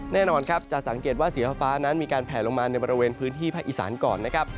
แน่นอนครับจะสังเกตว่าสีฟ้านั้นมีการแผลลงมาในบริเวณพื้นที่ภาคอีสานก่อนนะครับ